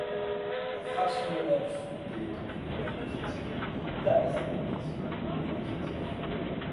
La fraction molaire du soluté étant une grandeur positive, l'abaissement de pression est positif.